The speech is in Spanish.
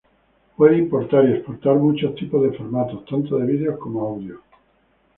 Puede importar y exportar muchos tipos de formatos tanto de video como audio.